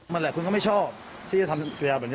มันแหละคุณก็ไม่ชอบที่จะทำสัญลักษณ์แบบนี้